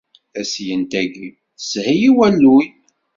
Taslent-agi teshel i walluy.